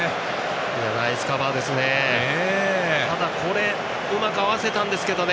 ナイスカバーですね。